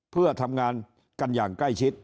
เพื่อทำงานกันอย่างใกล้ชิด